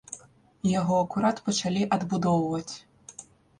Яго акурат пачалі адбудоўваць.